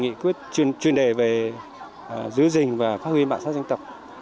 nghị quyết chuyên đề về giữ rình và phát huyện bản sắc dân tộc